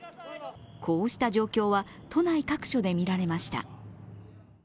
こうした状況は都内各所で見られました。